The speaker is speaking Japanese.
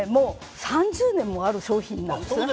３０年もある商品なんです。